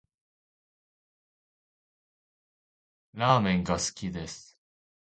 ラーメンが好きです